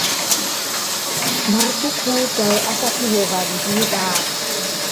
Bukine tay kizikia aka gəla nawua pay gedamase àka mekok ɓa.